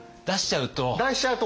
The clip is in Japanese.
出しちゃうと。